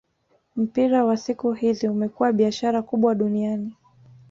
Mpira wa siku hizi umekuwa biashara kubwa duniani